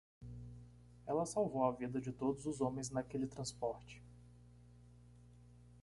Ela salvou a vida de todos os homens naquele transporte.